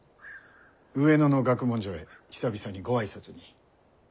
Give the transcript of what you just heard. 上野の学問所へ久々にご挨拶に。